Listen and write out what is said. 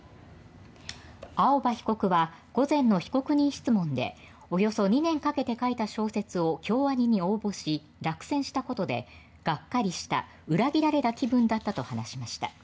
青葉被告は午前の被告人質問でおよそ２年かけて書いた小説を京アニに応募し、落選したことでがっかりした裏切られた気分だったと話しました。